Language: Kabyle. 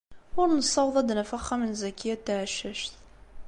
Ur nessaweḍ ad d-naf axxam n Zakiya n Tɛeccact.